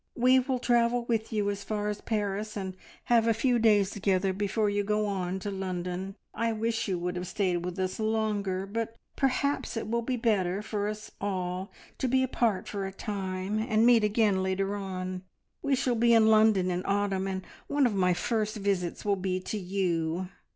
We will travel with you as far as Paris, and have a few days together before you go on to London. I wish you would have stayed with us longer, but perhaps it will be better for us all to be apart for a time, and meet again later on. We shall be in London in autumn, and one of my first visits will be to you.